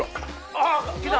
あっきた！